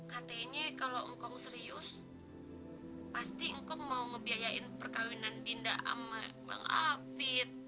katanya kalau engkau serius pasti engkau mau ngebiayain perkahwinan dinda sama bang hafid